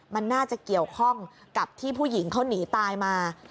มันน่าจะเกี่ยวข้องกับที่ผู้หญิงเขาหนีตายมา